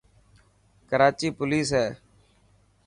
ڪراچي پوليس هي.